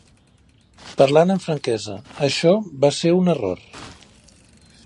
Parlant amb franquesa, això va ser un error.